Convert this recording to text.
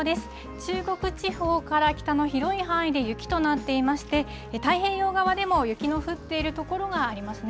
中国地方から北の広い範囲で雪となっていまして、太平洋側でも雪の降っている所がありますね。